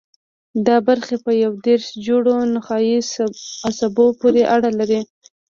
دا برخې په یو دېرش جوړو نخاعي عصبو پورې اړه لري.